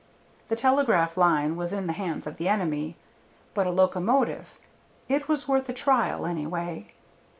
The telegraph line was in the hands of the enemy, but a locomotive It was worth a trial, anyway.